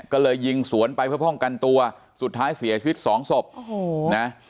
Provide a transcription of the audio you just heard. ก็เลยยิงสวนไปเพื่อป้องกันตัวสุดท้ายเสียชีวิตสองศพโอ้โหนะ